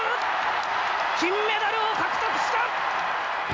金メダルを獲得した！